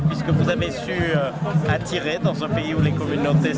di negara negara ini ada banyak komunitas